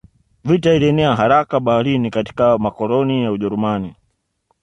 Vita ilienea haraka Baharini na katika makoloni ya Ujerumani